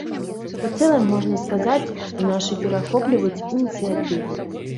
У цэлым можна сказаць, што нашы перахопліваюць ініцыятыву.